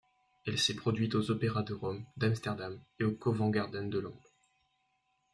Elle s'est produite aux opéras de Rome, d'Amsterdam et au Covent Garden de Londres.